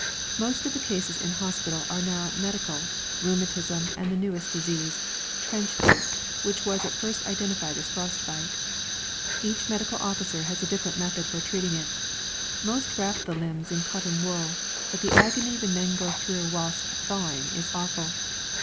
Most of the cases in hospital are now medical, rheumatism and the newest disease, "trench feet," which was at first identified as frost bite. Each medical officer has a different method for treating it. Most wrap the limbs in cotton wool, but the agony the men go through whilst "thawing" is awful.